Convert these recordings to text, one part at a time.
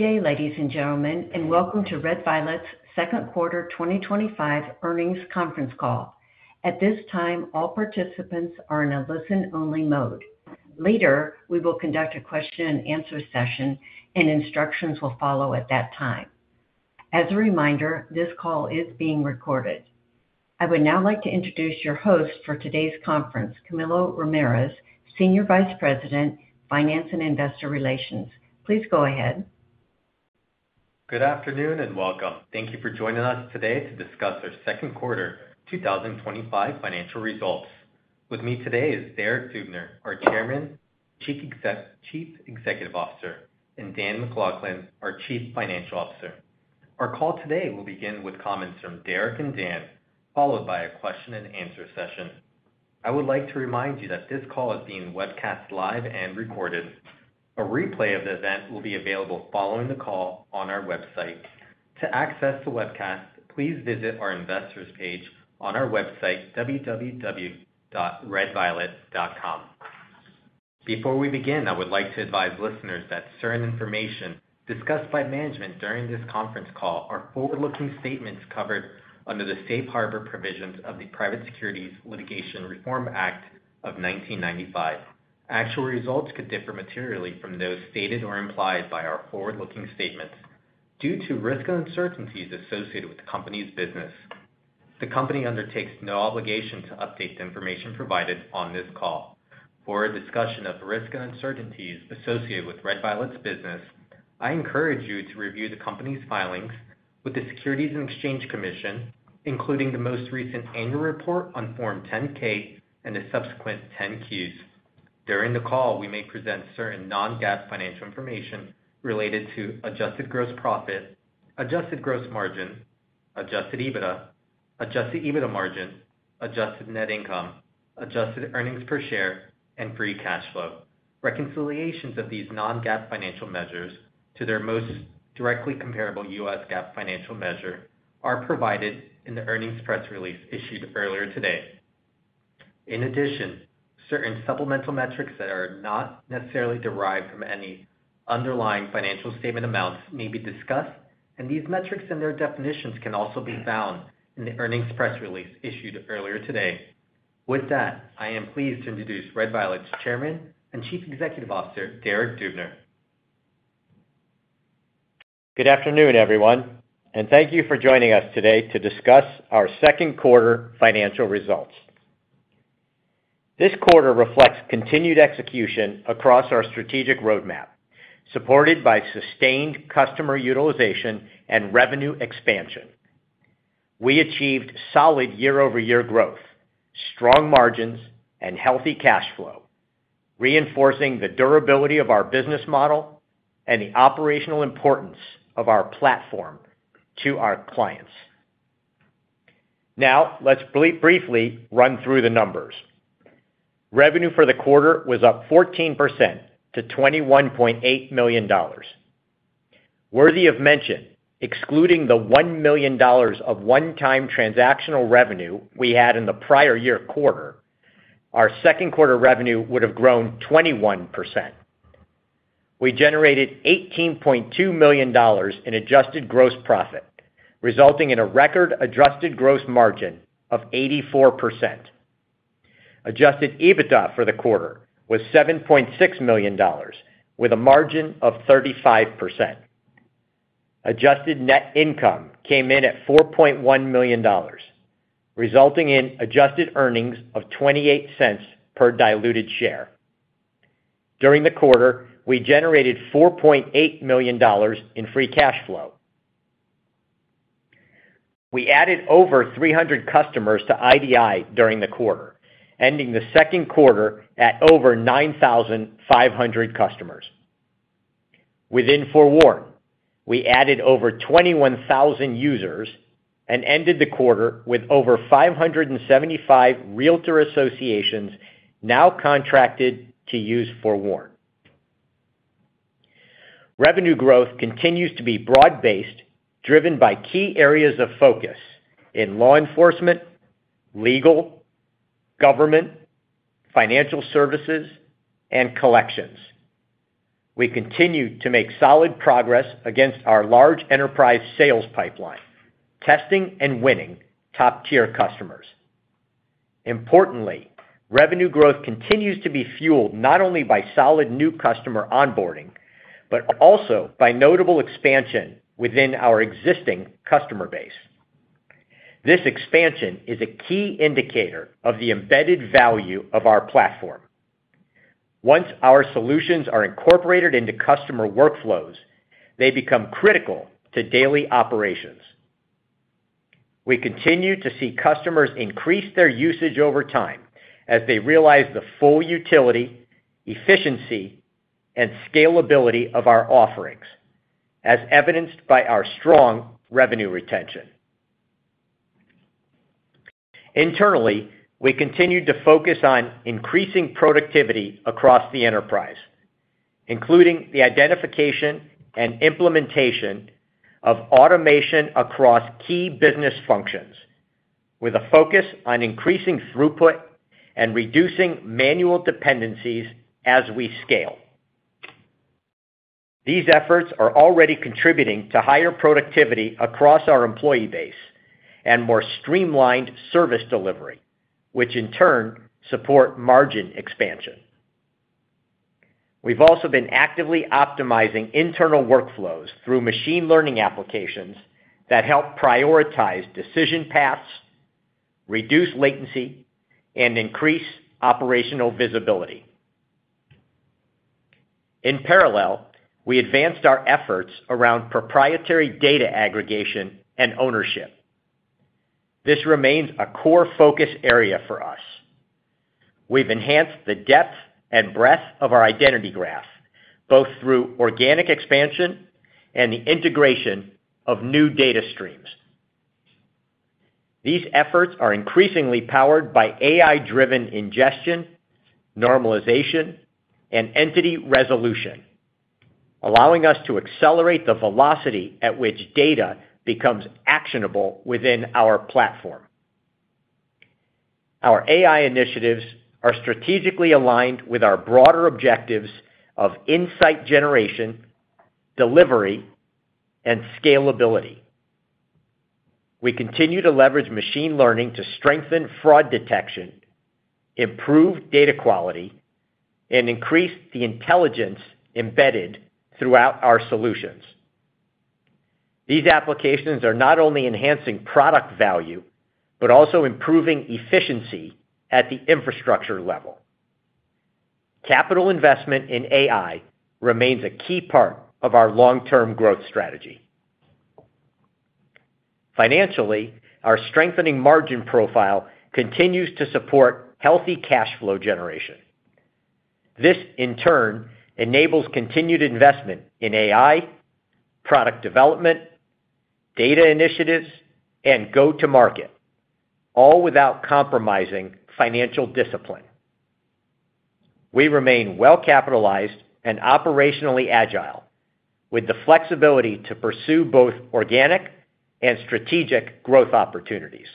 Good day, ladies and gentlemen, and welcome to Red Violet's Second Quarter 2025 Earnings Conference Call. At this time, all participants are in a listen-only mode. Later, we will conduct a question and answer session, and instructions will follow at that time. As a reminder, this call is being recorded. I would now like to introduce your host for today's conference, Camilo Ramirez, Senior Vice President, Finance and Investor Relations. Please go ahead. Good afternoon and welcome. Thank you for joining us today to discuss our second quarter 2025 financial results. With me today is Derek Dubner, our Chairman, Chief Executive Officer, and Dan MacLachlan, our Chief Financial Officer. Our call today will begin with comments from Derek and Dan, followed by a question and answer session. I would like to remind you that this call is being webcast live and recorded. A replay of the event will be available following the call on our website. To access the webcast, please visit our investors page on our website www.redviolet.com. Before we begin, I would like to advise listeners that certain information discussed by management during this conference call are forward-looking statements covered under the Safe Harbor provisions of the Private Securities Litigation Reform Act of 1995. Actual results could differ materially from those stated or implied by our forward-looking statements. Due to risk and uncertainties associated with the company's business, the company undertakes no obligation to update the information provided on this call. For a discussion of risk and uncertainties associated with Red Violet's business, I encourage you to review the company's filings with the Securities and Exchange Commission, including the most recent annual report on Form 10-K and the subsequent 10-Qs. During the call, we may present certain non-GAAP financial information related to adjusted gross profit, adjusted gross margin, adjusted EBITDA, adjusted EBITDA margin, adjusted net income, adjusted earnings per share, and free cash flow. Reconciliations of these non-GAAP financial measures to their most directly comparable U.S. GAAP financial measure are provided in the earnings press release issued earlier today. In addition, certain supplemental metrics that are not necessarily derived from any underlying financial statement amounts may be discussed, and these metrics and their definitions can also be found in the earnings press release issued earlier today. With that, I am pleased to introduce Red Violet's Chairman and Chief Executive Officer, Derek Dubner. Good afternoon, everyone, and thank you for joining us today to discuss our second quarter financial results. This quarter reflects continued execution across our strategic roadmap, supported by sustained customer utilization and revenue expansion. We achieved solid year-over-year growth, strong margins, and healthy cash flow, reinforcing the durability of our business model and the operational importance of our platform to our clients. Now, let's briefly run through the numbers. Revenue for the quarter was up 14% to $21.8 million. Worthy of mention, excluding the $1 million of one-time transactional revenue we had in the prior year quarter, our second quarter revenue would have grown 21%. We generated $18.2 million in adjusted gross profit, resulting in a record adjusted gross margin of 84%. Adjusted EBITDA for the quarter was $7.6 million, with a margin of 35%. Adjusted net income came in at $4.1 million, resulting in adjusted earnings of $0.28 per diluted share. During the quarter, we generated $4.8 million in free cash flow. We added over 300 customers to IDI during the quarter, ending the second quarter at over 9,500 customers. Within FOREWARN, we added over 21,000 users and ended the quarter with over 575 realtor associations now contracted to use FOREWARN. Revenue growth continues to be broad-based, driven by key areas of focus in law enforcement, legal, government, financial services, and collections. We continue to make solid progress against our large enterprise sales pipeline, testing and winning top-tier customers. Importantly, revenue growth continues to be fueled not only by solid new customer onboarding, but also by notable expansion within our existing customer base. This expansion is a key indicator of the embedded value of our platform. Once our solutions are incorporated into customer workflows, they become critical to daily operations. We continue to see customers increase their usage over time as they realize the full utility, efficiency, and scalability of our offerings, as evidenced by our strong revenue retention. Internally, we continue to focus on increasing productivity across the enterprise, including the identification and implementation of automation across key business functions, with a focus on increasing throughput and reducing manual dependencies as we scale. These efforts are already contributing to higher productivity across our employee base and more streamlined service delivery, which in turn supports margin expansion. We've also been actively optimizing internal workflows through machine learning applications that help prioritize decision paths, reduce latency, and increase operational visibility. In parallel, we advanced our efforts around proprietary data aggregation and ownership. This remains a core focus area for us. We've enhanced the depth and breadth of our identity graph, both through organic expansion and the integration of new data streams. These efforts are increasingly powered by AI-driven ingestion, normalization, and entity resolution, allowing us to accelerate the velocity at which data becomes actionable within our platform. Our AI initiatives are strategically aligned with our broader objectives of insight generation, delivery, and scalability. We continue to leverage machine learning to strengthen fraud detection, improve data quality, and increase the intelligence embedded throughout our solutions. These applications are not only enhancing product value, but also improving efficiency at the infrastructure level. Capital investment in AI remains a key part of our long-term growth strategy. Financially, our strengthening margin profile continues to support healthy cash flow generation. This, in turn, enables continued investment in AI, product development, data initiatives, and go-to-market, all without compromising financial discipline. We remain well-capitalized and operationally agile, with the flexibility to pursue both organic and strategic growth opportunities.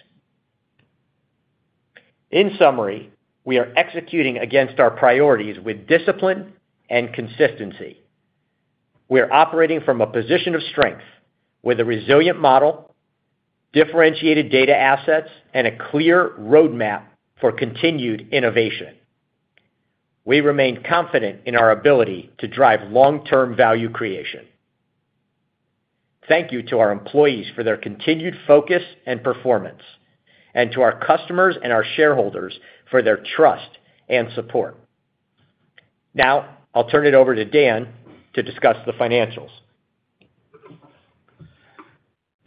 In summary, we are executing against our priorities with discipline and consistency. We're operating from a position of strength, with a resilient model, differentiated data assets, and a clear roadmap for continued innovation. We remain confident in our ability to drive long-term value creation. Thank you to our employees for their continued focus and performance, and to our customers and our shareholders for their trust and support. Now, I'll turn it over to Dan to discuss the financials.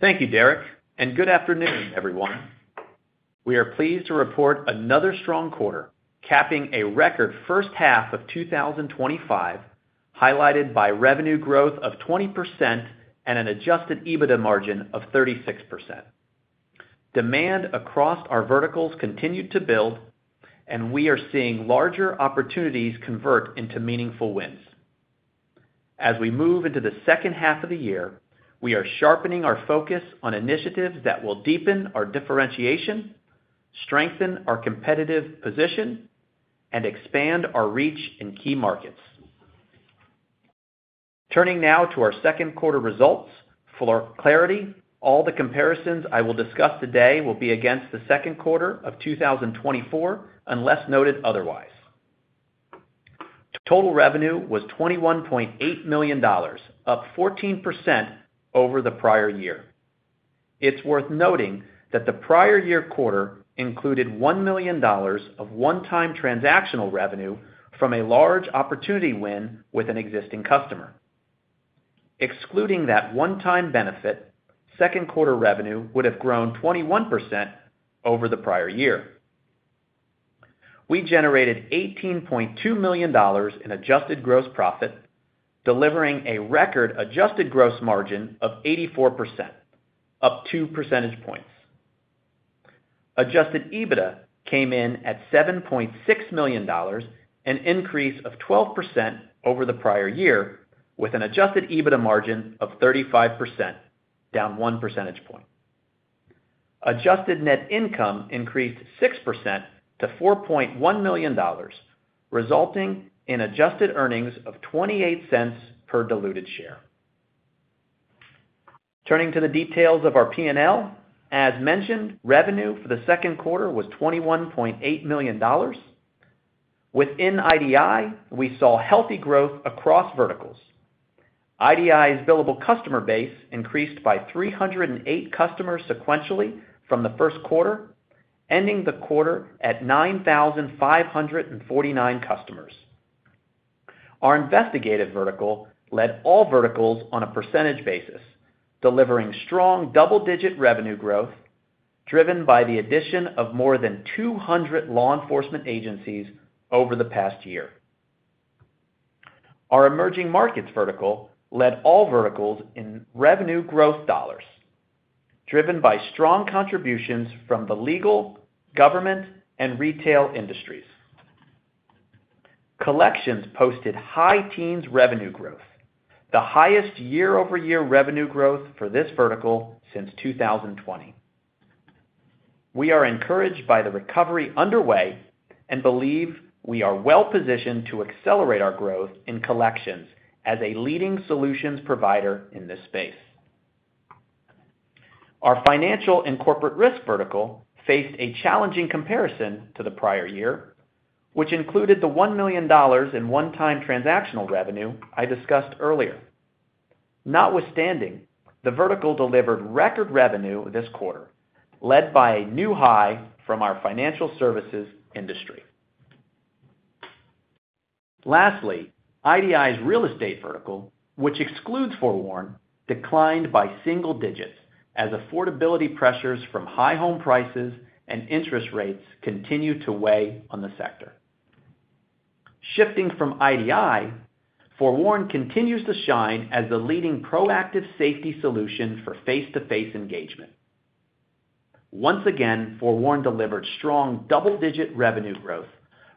Thank you, Derek, and good afternoon, everyone. We are pleased to report another strong quarter, capping a record first half of 2025, highlighted by revenue growth of 20% and an adjusted EBITDA margin of 36%. Demand across our verticals continued to build, and we are seeing larger opportunities convert into meaningful wins. As we move into the second half of the year, we are sharpening our focus on initiatives that will deepen our differentiation, strengthen our competitive position, and expand our reach in key markets. Turning now to our second quarter results, for clarity, all the comparisons I will discuss today will be against the second quarter of 2024, unless noted otherwise. Total revenue was $21.8 million, up 14% over the prior year. It's worth noting that the prior year quarter included $1 million of one-time transactional revenue from a large opportunity win with an existing customer. Excluding that one-time benefit, second quarter revenue would have grown 21% over the prior year. We generated $18.2 million in adjusted gross profit, delivering a record adjusted gross margin of 84%, up two percentage points. Adjusted EBITDA came in at $7.6 million, an increase of 12% over the prior year, with an adjusted EBITDA margin of 35%, down one percentage point. Adjusted net income increased 6% to $4.1 million, resulting in adjusted earnings of $0.28 per diluted share. Turning to the details of our P&L, as mentioned, revenue for the second quarter was $21.8 million. Within IDI, we saw healthy growth across verticals. IDI's billable customer base increased by 308 customers sequentially from the first quarter, ending the quarter at 9,549 customers. Our investigative vertical led all verticals on a percentage basis, delivering strong double-digit revenue growth, driven by the addition of more than 200 law enforcement agencies over the past year. Our emerging markets vertical led all verticals in revenue growth dollars, driven by strong contributions from the legal, government, and retail industries. Collections posted high teens revenue growth, the highest year-over-year revenue growth for this vertical since 2020. We are encouraged by the recovery underway and believe we are well-positioned to accelerate our growth in collections as a leading solutions provider in this space. Our financial and corporate risk vertical faced a challenging comparison to the prior year, which included the $1 million in one-time transactional revenue I discussed earlier. Notwithstanding, the vertical delivered record revenue this quarter, led by a new high from our financial services industry. Lastly, IDI's real estate vertical, which excludes FOREWARN, declined by single digits as affordability pressures from high home prices and interest rates continue to weigh on the sector. Shifting from IDI, FOREWARN continues to shine as the leading proactive safety solution for face-to-face engagement. Once again, FOREWARN delivered strong double-digit revenue growth,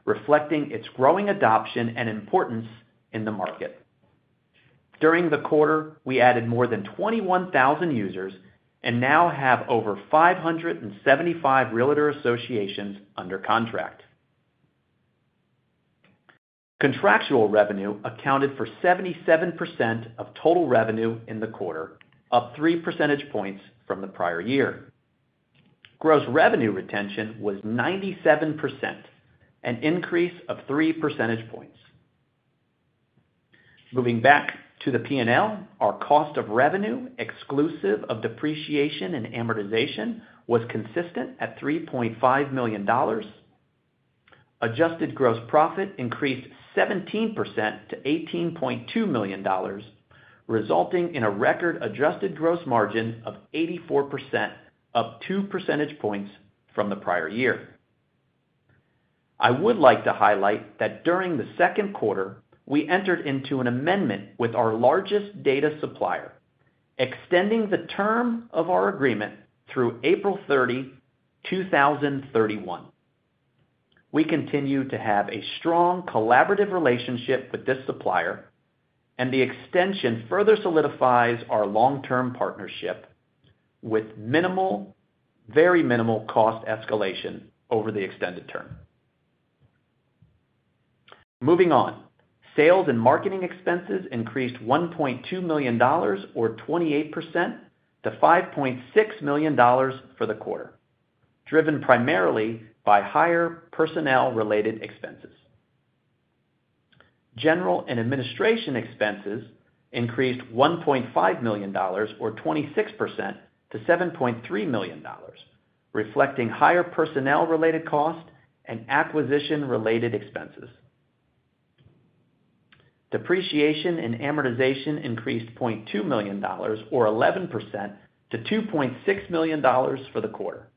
reflecting its growing adoption and importance in the market. During the quarter, we added more than 21,000 users and now have over 575 realtor associations under contract. Contractual revenue accounted for 77% of total revenue in the quarter, up 3 percentage points from the prior year. Gross revenue retention was 97%, an increase of 3 percentage points. Moving back to the P&L, our cost of revenue, exclusive of depreciation and amortization, was consistent at $3.5 million. Adjusted gross profit increased 17% to $18.2 million, resulting in a record adjusted gross margin of 84%, up 2 percentage points from the prior year. I would like to highlight that during the second quarter, we entered into an amendment with our largest data supplier, extending the term of our agreement through April 30, 2031. We continue to have a strong collaborative relationship with this supplier, and the extension further solidifies our long-term partnership with minimal, very minimal cost escalation over the extended term. Moving on, sales and marketing expenses increased $1.2 million, or 28%, to $5.6 million for the quarter, driven primarily by higher personnel-related expenses. General and administration expenses increased $1.5 million, or 26%, to $7.3 million, reflecting higher personnel-related costs and acquisition-related expenses. Depreciation and amortization increased $0.2 million, or 11%, to $2.6 million for the quarter.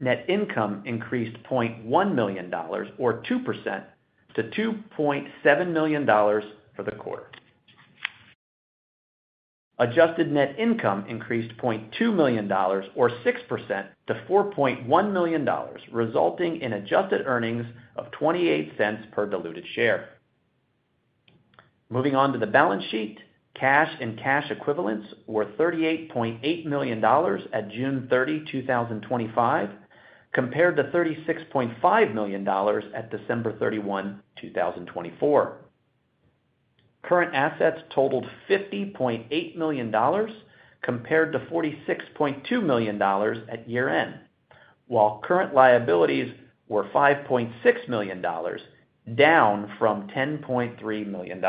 Net income increased $0.1 million, or 2%, to $2.7 million for the quarter. Adjusted net income increased $0.2 million, or 6%, to $4.1 million, resulting in adjusted earnings of $0.28 per diluted share. Moving on to the balance sheet, cash and cash equivalents were $38.8 million at June 30, 2025, compared to $36.5 million at December 31, 2024. Current assets totaled $50.8 million, compared to $46.2 million at year-end, while current liabilities were $5.6 million, down from $10.3 million.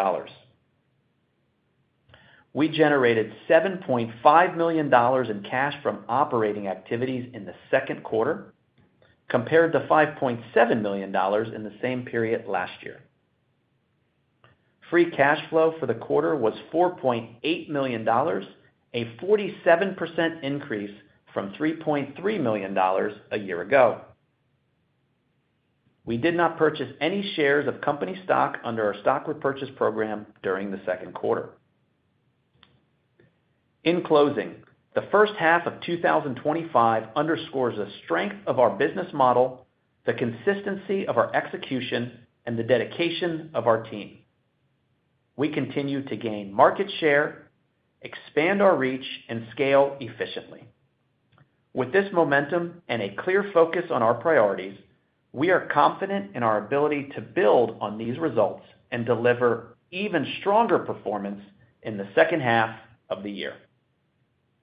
We generated $7.5 million in cash from operating activities in the second quarter, compared to $5.7 million in the same period last year. Free cash flow for the quarter was $4.8 million, a 47% increase from $3.3 million a year ago. We did not purchase any shares of company stock under our stock repurchase program during the second quarter. In closing, the first half of 2025 underscores the strength of our business model, the consistency of our execution, and the dedication of our team. We continue to gain market share, expand our reach, and scale efficiently. With this momentum and a clear focus on our priorities, we are confident in our ability to build on these results and deliver even stronger performance in the second half of the year.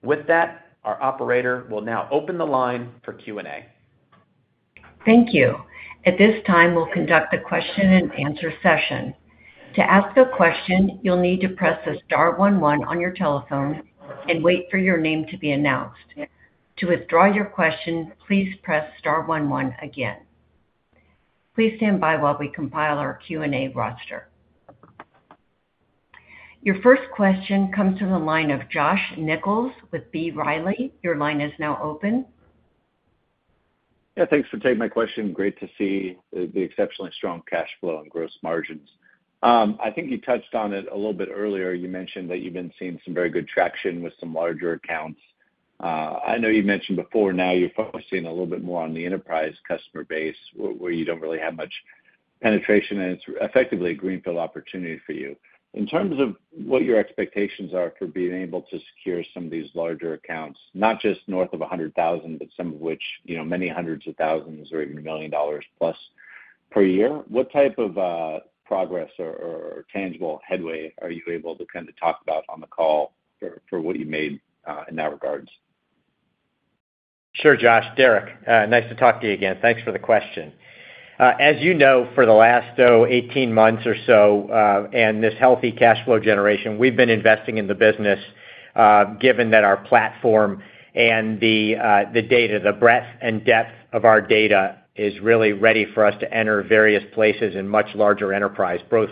With that, our operator will now open the line for Q&A. Thank you. At this time, we'll conduct the question and answer session. To ask a question, you'll need to press the star one one on your telephone and wait for your name to be announced. To withdraw your question, please press star one one again. Please stand by while we compile our Q&A roster. Your first question comes to the line of Josh Nichols with B. Riley. Your line is now open. Yeah, thanks for taking my question. Great to see the exceptionally strong cash flow and gross margins. I think you touched on it a little bit earlier. You mentioned that you've been seeing some very good traction with some larger accounts. I know you mentioned before now you're focusing a little bit more on the enterprise customer base where you don't really have much penetration, and it's effectively a greenfield opportunity for you. In terms of what your expectations are for being able to secure some of these larger accounts, not just north of $100,000, but some of which, you know, many hundreds of thousands or even $1 million plus per year, what type of progress or tangible headway are you able to kind of talk about on the call for what you made in that regards? Sure, Josh. Derek, nice to talk to you again. Thanks for the question. As you know, for the last 18 months or so, and this healthy cash flow generation, we've been investing in the business, given that our platform and the data, the breadth and depth of our data is really ready for us to enter various places in much larger enterprise, both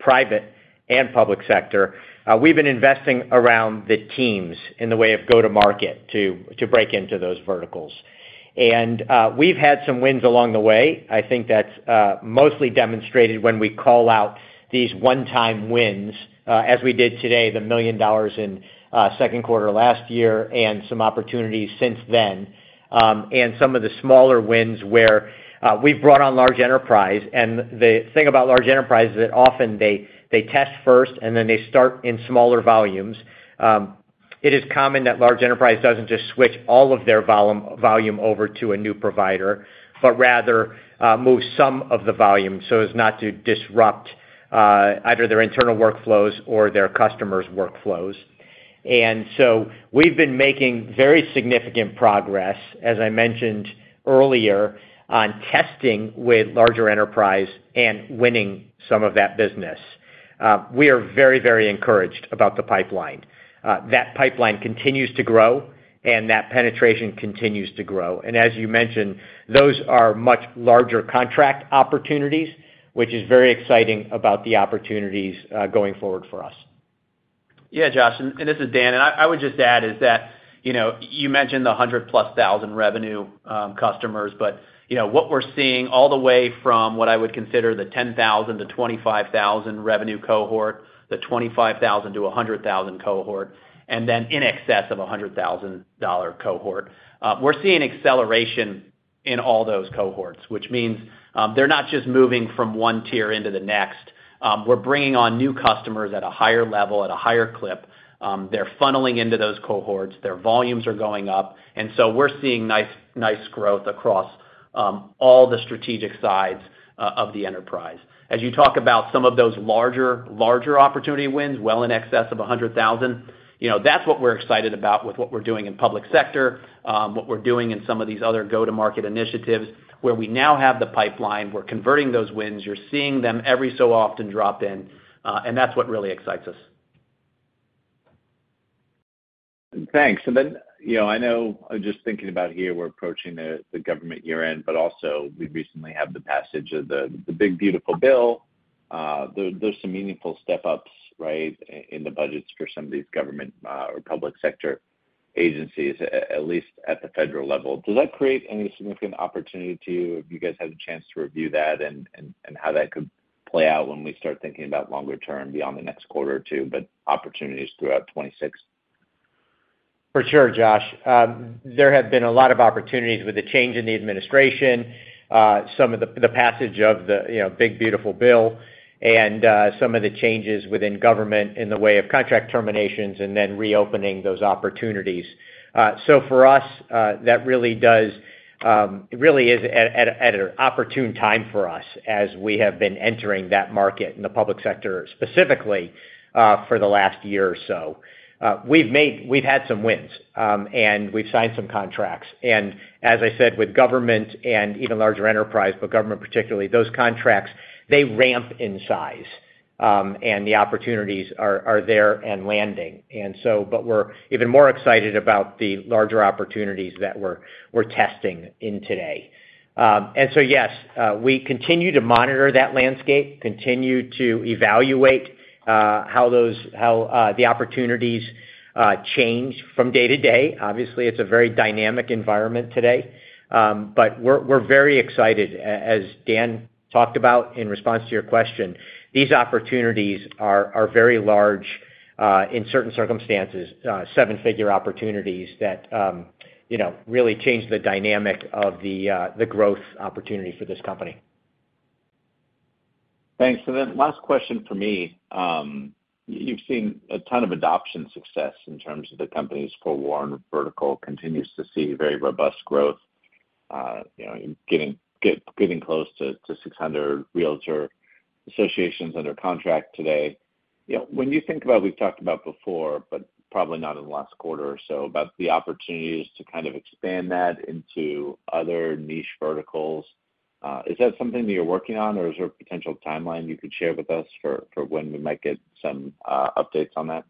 private and public sector. We've been investing around the teams in the way of go-to-market to break into those verticals. We've had some wins along the way. I think that's mostly demonstrated when we call out these one-time wins, as we did today, the $1 million in second quarter last year and some opportunities since then, and some of the smaller wins where we've brought on large enterprise. The thing about large enterprise is that often they test first and then they start in smaller volumes. It is common that large enterprise doesn't just switch all of their volume over to a new provider, but rather move some of the volume so as not to disrupt either their internal workflows or their customers' workflows. We've been making very significant progress, as I mentioned earlier, on testing with larger enterprise and winning some of that business. We are very, very encouraged about the pipeline. That pipeline continues to grow and that penetration continues to grow. As you mentioned, those are much larger contract opportunities, which is very exciting about the opportunities going forward for us. Yeah, Josh, and this is Dan, and I would just add is that, you know, you mentioned the $100,000 plus revenue customers, but you know what we're seeing all the way from what I would consider the $10,000-$25,000 revenue cohort, the $25,000-$100,000 cohort, and then in excess of a $100,000 cohort. We're seeing acceleration in all those cohorts, which means they're not just moving from one tier into the next. We're bringing on new customers at a higher level, at a higher clip. They're funneling into those cohorts, their volumes are going up, and we're seeing nice growth across all the strategic sides of the enterprise. As you talk about some of those larger opportunity wins, well in excess of $100,000, that's what we're excited about with what we're doing in public sector, what we're doing in some of these other go-to-market initiatives where we now have the pipeline, we're converting those wins, you're seeing them every so often drop in, and that's what really excites us. Thanks. I know I'm just thinking about here we're approaching the government year-end, but also we recently had the passage of the big beautiful bill. There's some meaningful step-ups, right, in the budgets for some of these government or public sector agencies, at least at the federal level. Does that create any significant opportunity to you if you guys had a chance to review that and how that could play out when we start thinking about longer term beyond the next quarter or two, but opportunities throughout 2026? For sure, Josh. There have been a lot of opportunities with the change in the administration, some of the passage of the big beautiful bill, and some of the changes within government in the way of contract terminations and then reopening those opportunities. For us, that really is at an opportune time for us as we have been entering that market in the public sector specifically for the last year or so. We've had some wins and we've signed some contracts. As I said, with government and even larger enterprise, but government particularly, those contracts ramp in size and the opportunities are there and landing. We're even more excited about the larger opportunities that we're testing in today. Yes, we continue to monitor that landscape, continue to evaluate how the opportunities change from day to day. Obviously, it's a very dynamic environment today, but we're very excited, as Dan talked about in response to your question. These opportunities are very large in certain circumstances, seven-figure opportunities that really change the dynamic of the growth opportunity for this company. Thanks. Last question for me. You've seen a ton of adoption success in terms of the company's FOREWARN vertical, which continues to see very robust growth, getting close to 600 realtor associations under contract today. When you think about, we've talked about it before, but probably not in the last quarter or so, the opportunities to kind of expand that into other niche verticals, is that something that you're working on, or is there a potential timeline you could share with us for when we might get some updates on that?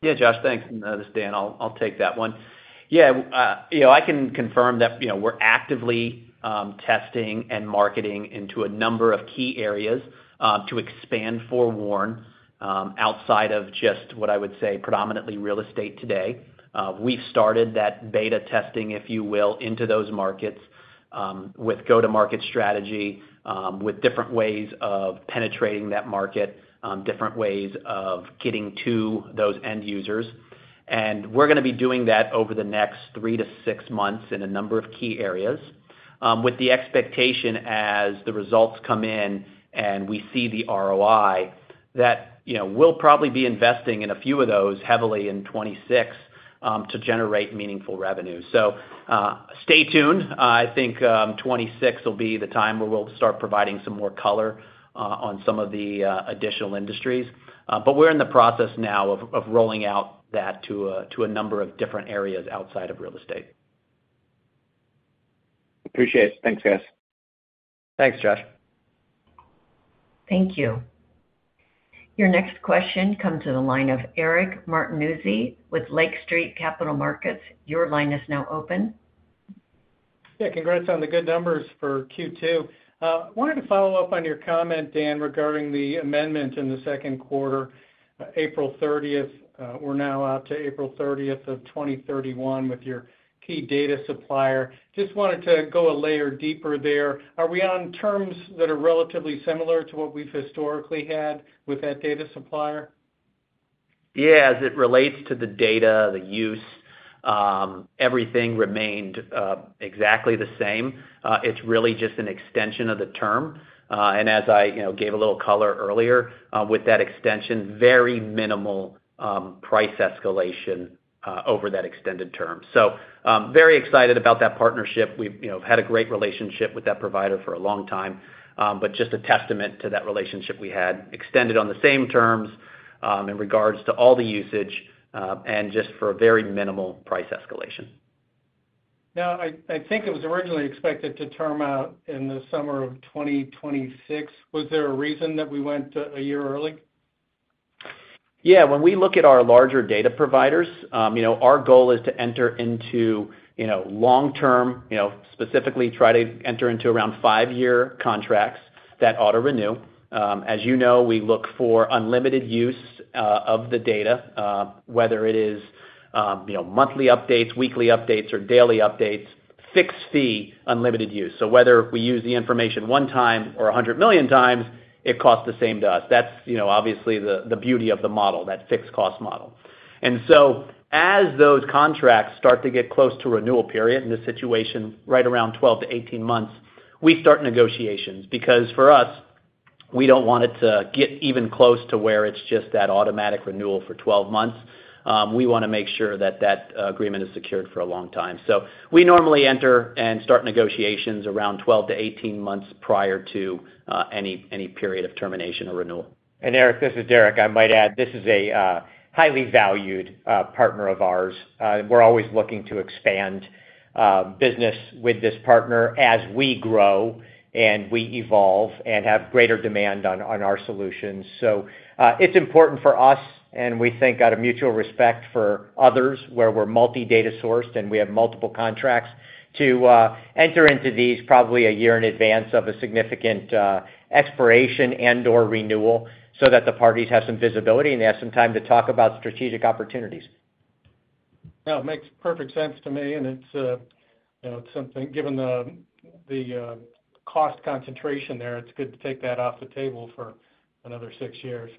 Yeah, Josh, thanks. This is Dan, I'll take that one. I can confirm that we're actively testing and marketing into a number of key areas to expand FOREWARN outside of just what I would say is predominantly real estate today. We've started that beta testing, if you will, into those markets with go-to-market strategy, with different ways of penetrating that market, different ways of getting to those end users. We're going to be doing that over the next three to six months in a number of key areas, with the expectation as the results come in and we see the ROI, that we'll probably be investing in a few of those heavily in 2026 to generate meaningful revenue. Stay tuned. I think 2026 will be the time where we'll start providing some more color on some of the additional industries. We're in the process now of rolling out that to a number of different areas outside of real estate. Appreciate it. Thanks, guys. Thanks, Josh. Thank you. Your next question comes to the line of Eric Martinuzzi with Lake Street Capital Markets. Your line is now open. Yeah, congrats on the good numbers for Q2. I wanted to follow up on your comment, Dan, regarding the amendment in the second quarter, April 30th. We're now out to April 30th, 2031, with your key data supplier. Just wanted to go a layer deeper there. Are we on terms that are relatively similar to what we've historically had with that data supplier? Yeah, as it relates to the data, the use, everything remained exactly the same. It's really just an extension of the term. As I gave a little color earlier, with that extension, very minimal price escalation over that extended term. Very excited about that partnership. We've had a great relationship with that provider for a long time, just a testament to that relationship we had, extended on the same terms in regards to all the usage and just for a very minimal price escalation. Now, I think it was originally expected to term out in the summer of 2026. Was there a reason that we went a year early? Yeah, when we look at our larger data providers, our goal is to enter into long-term, specifically try to enter into around five-year contracts that auto-renew. As you know, we look for unlimited use of the data, whether it is monthly updates, weekly updates, or daily updates, fixed fee, unlimited use. Whether we use the information one time or 100 million times, it costs the same to us. That's obviously the beauty of the model, that fixed cost model. As those contracts start to get close to renewal period, in this situation, right around 12-18 months, we start negotiations because for us, we don't want it to get even close to where it's just that automatic renewal for 12 months. We want to make sure that that agreement is secured for a long time. We normally enter and start negotiations around 12-18 months prior to any period of termination or renewal. Eric, this is Derek. I might add, this is a highly valued partner of ours. We're always looking to expand business with this partner as we grow and we evolve and have greater demand on our solutions. It's important for us, and we think out of mutual respect for others, where we're multi-data sourced and we have multiple contracts, to enter into these probably a year in advance of a significant expiration and/or renewal so that the parties have some visibility and they have some time to talk about strategic opportunities. That makes perfect sense to me, and it's something given the cost concentration there, it's good to take that off the table for another six years.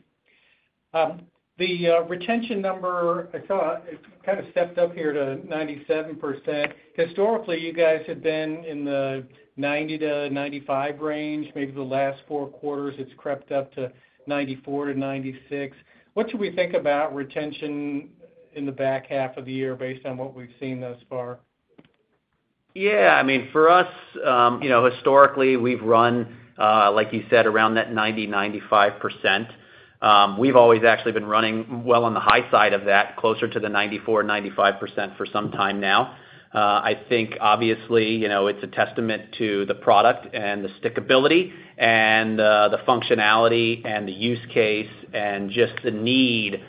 The retention number, I saw it kind of stepped up here to 97%. Historically, you guys had been in the 90%-95% range. Maybe the last four quarters, it's crept up to 94%-96%. What should we think about retention in the back half of the year based on what we've seen thus far? Yeah, I mean, for us, you know, historically, we've run, like you said, around that 90%-95%. We've always actually been running well on the high side of that, closer to the 94%-95% for some time now. I think, obviously, you know, it's a testament to the product and the stickability and the functionality and the use case and just the need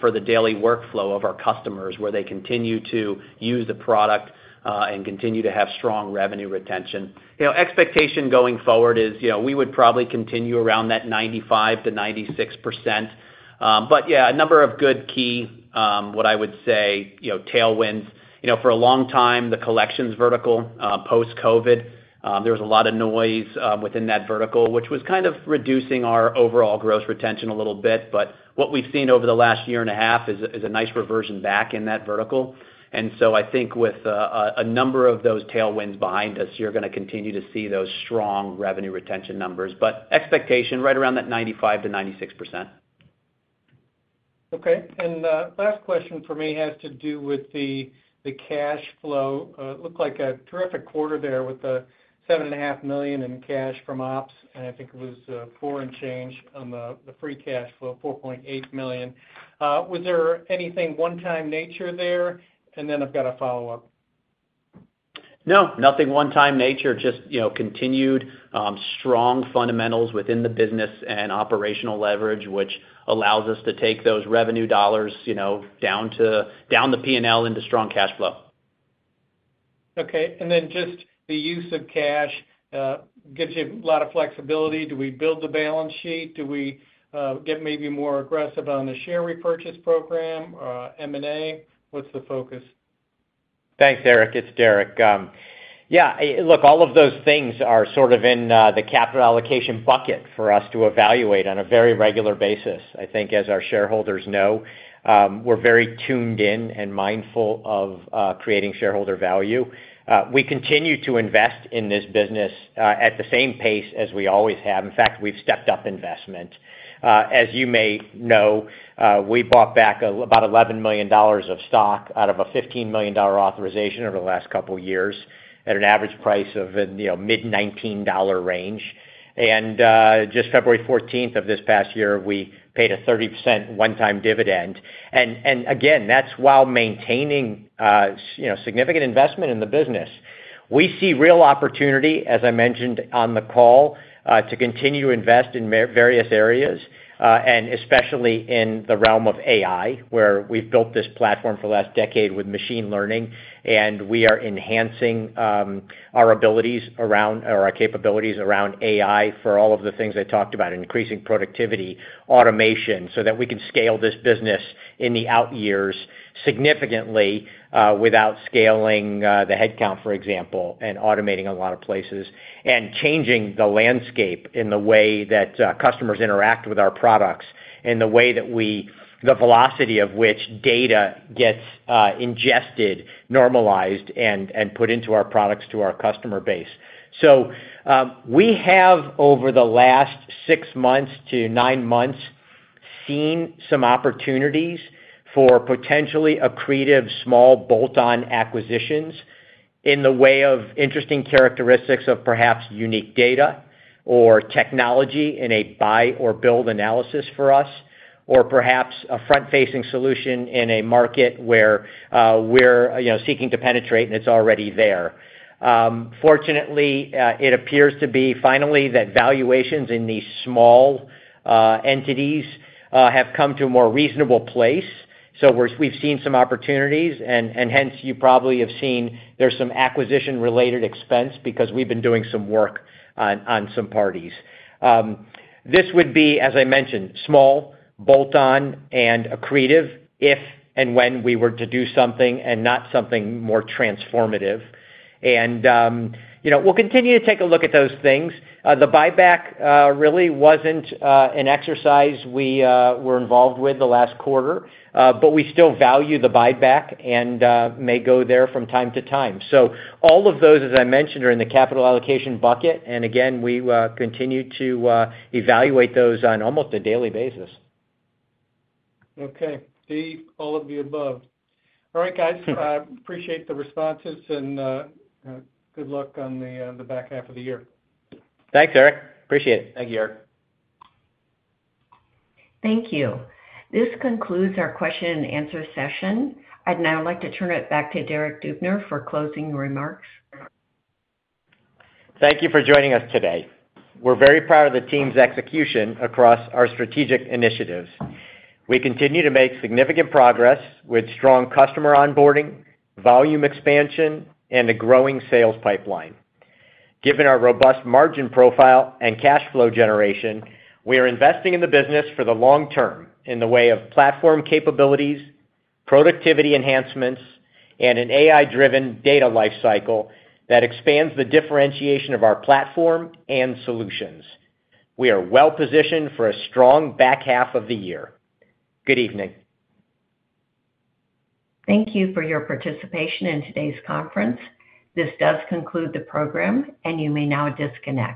for the daily workflow of our customers where they continue to use the product and continue to have strong revenue retention. You know, expectation going forward is, you know, we would probably continue around that 95%-96%. A number of good key, what I would say, you know, tailwinds. For a long time, the collections vertical post-COVID, there was a lot of noise within that vertical, which was kind of reducing our overall gross retention a little bit. What we've seen over the last year and a half is a nice reversion back in that vertical. I think with a number of those tailwinds behind us, you're going to continue to see those strong revenue retention numbers, but expectation right around that 95%-96%. Okay, the last question for me has to do with the cash flow. It looked like a terrific quarter there with the $7.5 million in cash from ops, and I think it was $4.8 million on the free cash flow. Was there anything one-time nature there? I've got a follow-up. No, nothing one-time nature, just continued strong fundamentals within the business and operational leverage, which allows us to take those revenue dollars down the P&L into strong cash flow. Okay, and then just the use of cash gives you a lot of flexibility. Do we build the balance sheet? Do we get maybe more aggressive on the share repurchase program, M&A? What's the focus? Thanks, Eric. It's Derek. Yeah, look, all of those things are sort of in the capital allocation bucket for us to evaluate on a very regular basis. I think, as our shareholders know, we're very tuned in and mindful of creating shareholder value. We continue to invest in this business at the same pace as we always have. In fact, we've stepped up investment. As you may know, we bought back about $11 million of stock out of a $15 million authorization over the last couple of years at an average price in the mid-$19 range. On February 14th of this past year, we paid a 30% one-time dividend. That's while maintaining significant investment in the business. We see real opportunity, as I mentioned on the call, to continue to invest in various areas, especially in the realm of AI, where we've built this platform for the last decade with machine learning, and we are enhancing our abilities around or our capabilities around AI for all of the things I talked about, increasing productivity, automation, so that we can scale this business in the out years significantly without scaling the headcount, for example, and automating a lot of places, and changing the landscape in the way that customers interact with our products, in the way that we, the velocity of which data gets ingested, normalized, and put into our products to our customer base. We have, over the last six months to nine months, seen some opportunities for potentially accretive small bolt-on acquisitions in the way of interesting characteristics of perhaps unique data or technology in a buy or build analysis for us, or perhaps a front-facing solution in a market where we're seeking to penetrate and it's already there. Fortunately, it appears to be finally that valuations in these small entities have come to a more reasonable place. We've seen some opportunities, and hence you probably have seen there's some acquisition-related expense because we've been doing some work on some parties. This would be, as I mentioned, small bolt-on and accretive if and when we were to do something and not something more transformative. We'll continue to take a look at those things. The buyback really wasn't an exercise we were involved with the last quarter, but we still value the buyback and may go there from time to time. All of those, as I mentioned, are in the capital allocation bucket, and again, we continue to evaluate those on almost a daily basis. Okay, Steve, all of the above. All right, guys, appreciate the responses and good luck on the back half of the year. Thanks, Eric. Appreciate it. Thank you, Eric. Thank you. This concludes our question and answer session. I'd now like to turn it back to Derek Dubner for closing remarks. Thank you for joining us today. We're very proud of the team's execution across our strategic initiatives. We continue to make significant progress with strong customer onboarding, volume expansion, and a growing sales pipeline. Given our robust margin profile and cash flow generation, we are investing in the business for the long term in the way of platform capabilities, productivity enhancements, and an AI-driven data lifecycle that expands the differentiation of our platform and solutions. We are well positioned for a strong back half of the year. Good evening. Thank you for your participation in today's conference. This does conclude the program, and you may now disconnect.